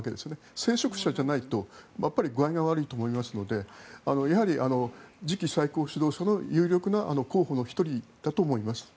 聖職者じゃないと具合が悪いと思いますのでやはり次期最高指導者の有力な候補の１人だと思います。